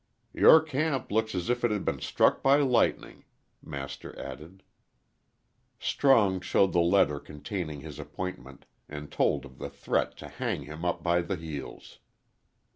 "You're camp looks as if it had been struck by lightning," Master added. Strong showed the letter containing his appointment, and told of the threat to hang him up by the heels.